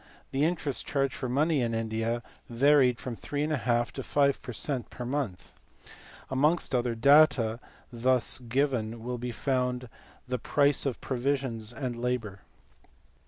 The interest charged for money in India varied from 3 to 5 per cent, per month. Amongst other data thus given will be found the price of provisions and labour.